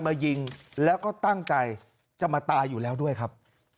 มายิงแล้วก็ตั้งใจจะมาตายอยู่แล้วด้วยครับ